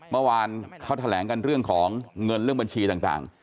เมื่อวานเขาแถลงกันเรื่องของเงินเรื่องบัญชีต่าง